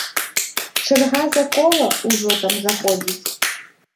Чарга за кола ўжо там заходзіць.